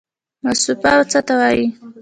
مصوبه څه ته وایي؟